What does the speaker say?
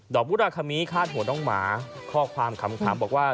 มุราคาคมิคาดหัวน้องหมาข้อความขำบอกว่า